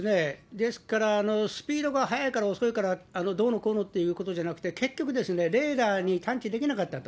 ですから、スピードが速いから、遅いから、どうのこうのということじゃなくて、結局、レーダーに探知できなかったと。